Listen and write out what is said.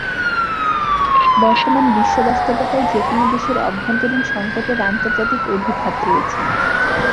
বর্তমান বিশ্ববাস্তবতায় যেকোনো দেশের অভ্যন্তরীণ সংকটের আন্তর্জাতিক অভিঘাত রয়েছে।